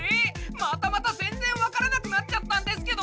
またまた全然わからなくなっちゃったんですけど！